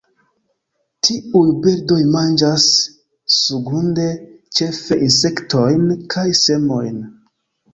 Tiuj birdoj manĝas surgrunde ĉefe insektojn kaj semojn.